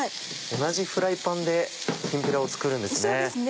同じフライパンできんぴらを作るんですね。